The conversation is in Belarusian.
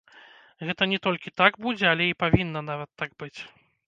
Гэта не толькі так будзе, але і павінна нават так быць!